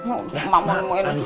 udah mah mau nemuin